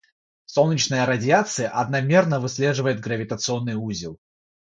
Солнечная радиация одномерно выслеживает гравитационный узел.